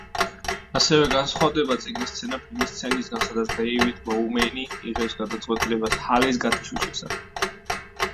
ასევე განსხვავდება წიგნის სცენა ფილმის სცენისგან, სადაც დეივიდ ბოუმენი იღებს გადაწყვეტილებას ჰალ-ის გათიშვის შესახებ.